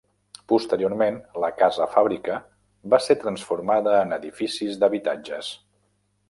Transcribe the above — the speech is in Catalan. Posteriorment, la casa-fàbrica va ser transformada en edificis d'habitatges.